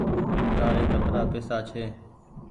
تآري ڪترآ پئيسا ڇي۔